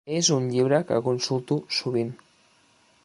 És un llibre que consulto sovint.